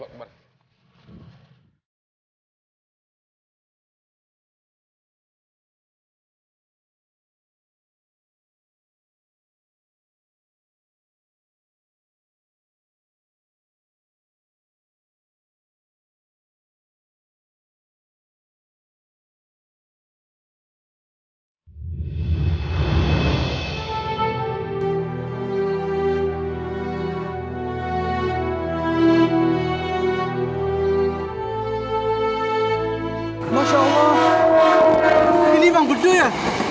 ini bang bedu ya